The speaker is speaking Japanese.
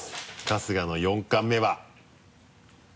春日の４貫目は。